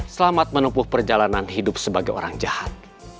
selamat menempuh perjalanan hidup sebagai orang jahat